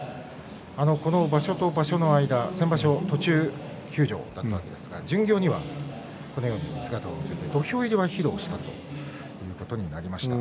この場所と場所の間先場所途中休場だったわけですが巡業には姿を見せて土俵入りは披露をしたということになりました。